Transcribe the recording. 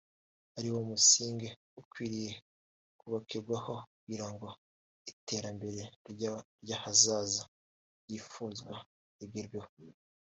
ariwo musingi ukwiriye kubakirwaho kugira ngo iterambere ry’ahazaza ryifuzwa rigerweho